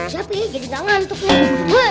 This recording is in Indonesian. siapa ini jadi tangan untuknya